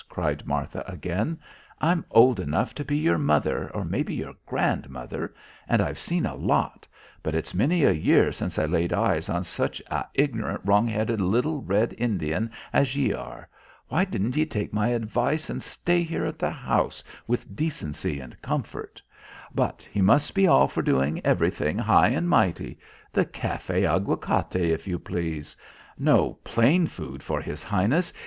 cried Martha again. "I'm old enough to be your mother, or maybe, your grandmother, and I've seen a lot; but it's many a year since I laid eyes on such a ign'rant and wrong headed little, red Indian as ye are! Why didn't ye take my advice and stay here in the house with decency and comfort. But he must be all for doing everything high and mighty. The Café Aguacate, if ye please. No plain food for his highness.